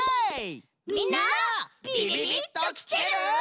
みんなビビビッときてる？